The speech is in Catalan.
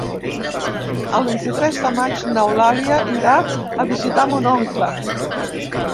El vint-i-tres de maig n'Eulàlia irà a visitar mon oncle.